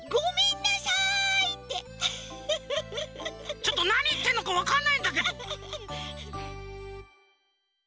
ちょっとなにいってんのかわかんないんだけど。